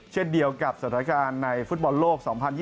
เช่นเดียวกับสถานการณ์ในฟุตบอลโลก๒๐๒๐